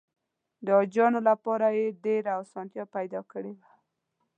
د حاجیانو لپاره یې ډېره اسانتیا پیدا کړې وه.